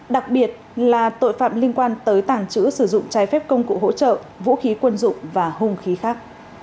đặc biệt là tội phạm liên quan tới tàng trữ sử dụng trái phép công cụ hỗ trợ vũ khí quân dụng và hung khí khác